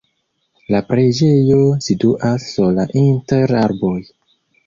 La preĝejo situas sola inter arboj.